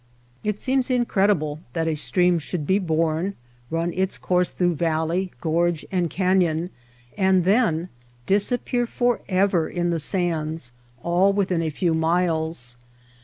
It seems incredible that a stream should be born ; run its course through valley, gorge, and canyon ; and then disappear forever in the sands, all within a few miles.